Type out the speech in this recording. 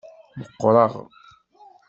Meqqreɣ.